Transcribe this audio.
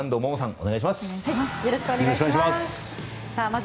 お願いします。